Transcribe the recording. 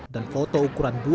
dan foto ukuran dua x tiga